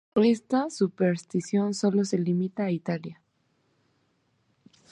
Esta superstición solo se limita a Italia.